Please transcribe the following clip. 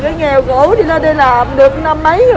cái nghèo cổ đi lên đây làm được năm mấy rồi